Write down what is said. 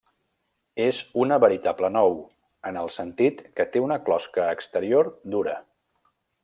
És una veritable nou en el sentit que té una closca exterior dura.